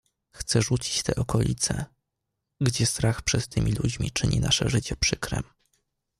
"Chce rzucić te okolicę, gdzie strach przed tymi ludźmi czyni nasze życie przykrem."